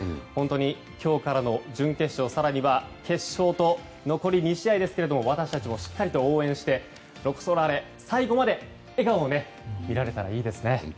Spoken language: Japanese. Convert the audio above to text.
本当に、今日からの準決勝更には決勝と残り２試合ですけれども私たちもしっかり応援してロコ・ソラーレ最後まで笑顔を見られたらいいですね。